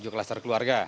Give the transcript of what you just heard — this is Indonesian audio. tujuh klaster keluarga